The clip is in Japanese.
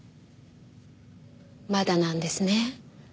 まだなんですね？